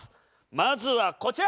まずはこちら！